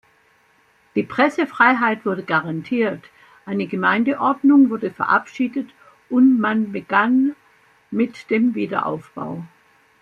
Die Pressefreiheit wurde garantiert, eine Gemeindeordnung wurde verabschiedet und man begann mit dem Wiederaufbau.